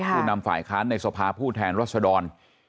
ผู้นำฝ่ายค้านในสภาผู้แทนรัศดร